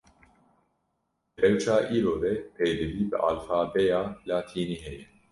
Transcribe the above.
Di rewşa îro de, pêdivî bi alfabêya latînî heye